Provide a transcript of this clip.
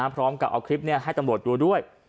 พร้อมกับเอาคลิปนี้ให้ตำรวจดูด้วย